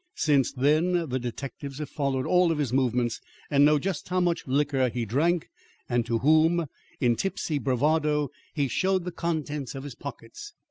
Since then, the detectives have followed all his movements and know just how much liquor he drank and to whom, in tipsy bravado, he showed the contents of his pockets.